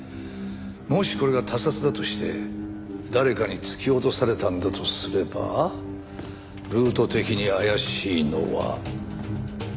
もしこれが他殺だとして誰かに突き落とされたんだとすればルート的に怪しいのは。